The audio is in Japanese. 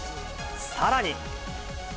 さらに。